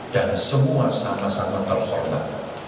dan semua sama sama terhormat